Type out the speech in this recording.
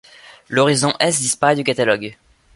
L'Horizon S disparaît du catalogue.